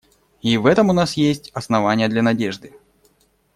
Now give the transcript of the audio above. И в этом у нас есть основания для надежды.